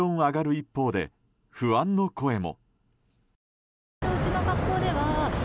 一方で不安の声も。